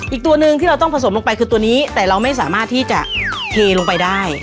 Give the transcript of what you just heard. อีกตัวหนึ่งที่เราต้องผสมลงไปคือตัวนี้แต่เราไม่สามารถที่จะเทลงไปได้